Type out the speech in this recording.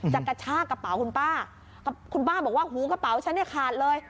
กระชากระเป๋าคุณป้าคุณป้าบอกว่าหูกระเป๋าฉันเนี่ยขาดเลย